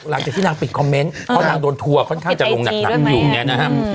หลังจากที่นางปิดคอมเมนต์เพราะนางโดนทัวร์ค่อนข้างจะลงหนักอยู่เนี่ยนะครับ